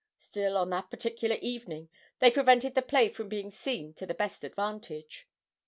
Still, on that particular evening, they prevented the play from being seen to the best advantage.